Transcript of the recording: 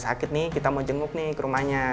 sakit nih kita mau jenguk nih ke rumahnya